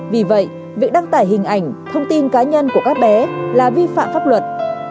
vì vậy việc đăng tải hình ảnh thông tin cá nhân của các bé là vi phạm pháp luật